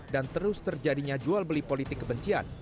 dan terus terjadinya jual beli politik kebencian